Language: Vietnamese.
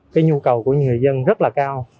cái nhu cầu của người dân rất là cao